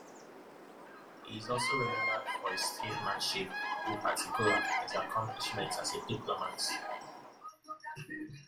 He is also remembered for his statesmanship, in particular his accomplishments as a diplomat.